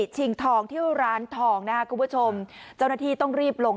ชิงทองที่ร้านทองนะครับคุณผู้ชมเจ้าหน้าที่ต้องรีบลง